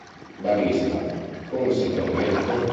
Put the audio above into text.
Barista: Come si permette?